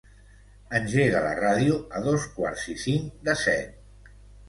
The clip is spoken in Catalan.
Engega la ràdio a dos quarts i cinc de set.